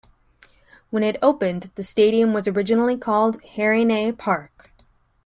When it opened the stadium was originally called Harringay Park.